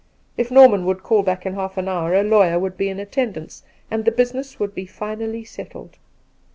If Norman would call back in half an hour a lawyer would be in attendance, and the business would be finally settled.